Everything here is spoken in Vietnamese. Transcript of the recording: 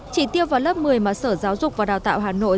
chỉ tiêu vào lớp một mươi mà sở giáo dục và đào tạo hà nội